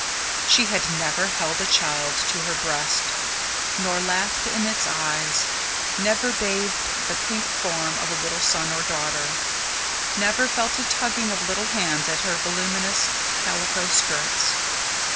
She had never held a child to her breast, nor laughed in its eyes; never bathed the pink form of a little son or daughter; never felt a tugging of tiny hands at her voluminous calico skirts!